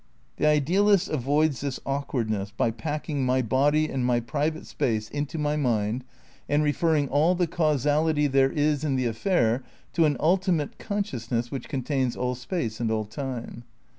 The idealist avoids this awkwardness by packing my body and my private space into my mind and re n THE CRITICAL PEEPARATIONS 45 ferring all the causality there is in the affair to an ulti mate consciousness which contains all space and all time.